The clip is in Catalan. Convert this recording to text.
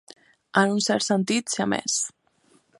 En un cert sentit siamès.